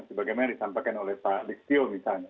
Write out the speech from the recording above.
sebagai yang disampaikan oleh pak likstio misalnya